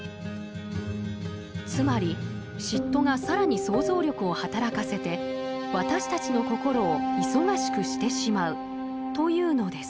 つまり嫉妬が更に想像力を働かせて私たちの心を忙しくしてしまうというのです。